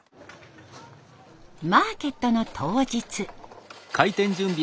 マーケットの当日。